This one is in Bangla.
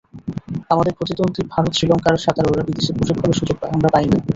আমাদের প্রতিদ্বন্দ্বী ভারত-শ্রীলঙ্কার সাঁতারুরা বিদেশে প্রশিক্ষণের সুযোগ পায়, আমরা পাই না।